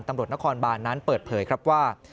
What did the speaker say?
ตำรวจนครบานนั้นเปิดเผยครับว่า